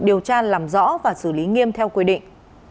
điều tra làm rõ và xử lý nghiêm theo quy định